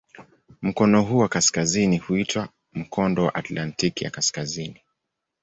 Mkono huu wa kaskazini huitwa "Mkondo wa Atlantiki ya Kaskazini".